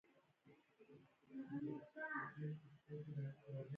د افغانستان جغرافیه کې تالابونه ستر اهمیت لري.